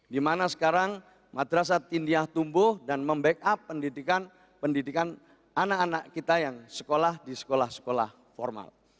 dimana sekarang madrasah tindia tumbuh dan membackup pendidikan pendidikan anak anak kita yang sekolah di sekolah sekolah formal